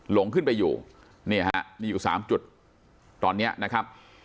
หลงขึ้นไปอยู่นี่ฮะนี่อยู่๓จุดตอนนี้นะครับ